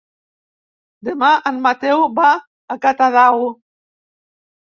Demà en Mateu va a Catadau.